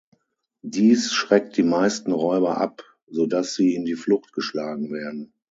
Dies schreckt die meisten Räuber ab, so dass sie in die Flucht geschlagen werden.